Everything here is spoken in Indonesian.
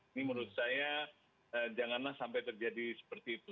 ini menurut saya janganlah sampai terjadi seperti itu